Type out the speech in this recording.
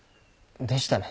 でしたね